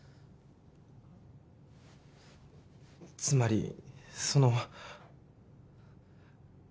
つまりその。